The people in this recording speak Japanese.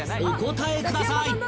お答えください］